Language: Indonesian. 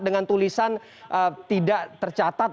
dengan tulisan tidak tercatat